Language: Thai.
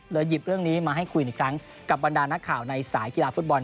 หยิบเรื่องนี้มาให้คุยอีกครั้งกับบรรดานักข่าวในสายกีฬาฟุตบอล